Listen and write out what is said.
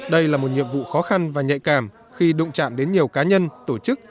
đây là một nhiệm vụ khó khăn và nhạy cảm khi đụng chạm đến nhiều cá nhân tổ chức